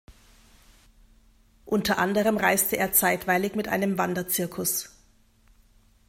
Unter anderem reiste er zeitweilig mit einem Wanderzirkus.